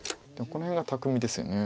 この辺が巧みですよね。